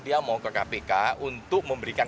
dia mau ke kpk untuk memberikan